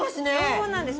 そうなんです。